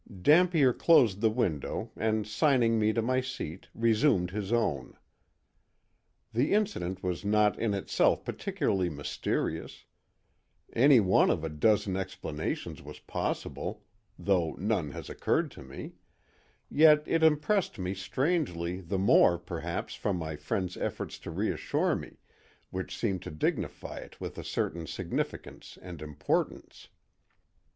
Dampier closed the window and signing me to my seat resumed his own. The incident was not in itself particularly mysterious; any one of a dozen explanations was possible (though none has occurred to me), yet it impressed me strangely, the more, perhaps, from my friend's effort to reassure me, which seemed to dignify it with a certain significance and importance.